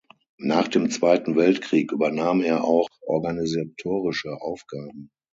Nach dem Zweiten Weltkrieg übernahm er auch organisatorische Aufgaben.